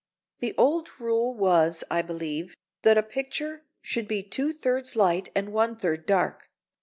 The old rule was, I believe, that a picture should be two thirds light and one third dark.